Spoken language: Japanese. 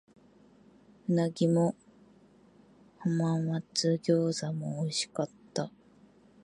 鰻も浜松餃子も美味しかった。